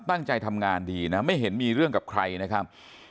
ตั้งใจทำงานดีนะไม่เห็นมีเรื่องกับใครนะครับ